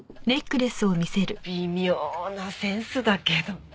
微妙なセンスだけどね。